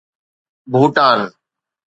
Bhutan